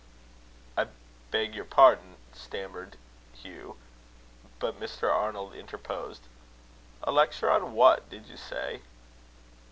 "I beg your pardon," stammered Hugh. But Mr. Arnold interposed: "A lecture on what, did you say?"